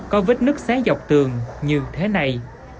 có vết nứt xé dọc tường như thế này